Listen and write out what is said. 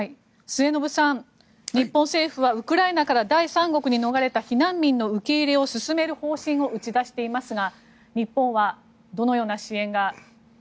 末延さん、日本政府はウクライナから第三国に逃れた避難民の受け入れを進める方針を打ち出していますが日本はどのような支援が。